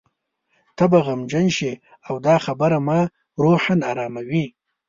ته به غمجن شې او دا خبره ما روحاً اراموي.